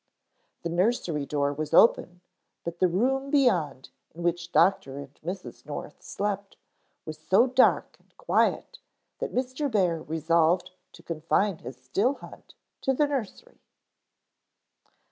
The nursery door was open, but the room beyond in which Dr. and Mrs. North slept was so dark and quiet that Mr. Bear resolved to confine his still hunt to the nursery.